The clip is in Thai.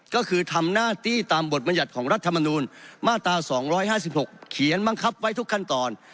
ก็คือทำหน้าที่ตามบทบรรยัติของรัฐมนูลมาตรา๒๕๖เขียนบังคับไว้ทุกขั้นตอน